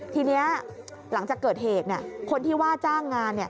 ทีนี้หลังจากเกิดเหตุคนที่ว่าจ้างงาน